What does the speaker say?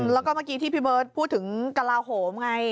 แล้วก็เมื่อกี้ที่พี่เบิร์ตพูดถึงกระลาโหมไง